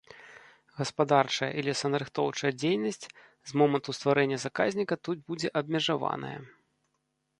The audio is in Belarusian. Гаспадарчая і лесанарыхтоўчая дзейнасць з моманту стварэння заказніка тут будзе абмежаваная.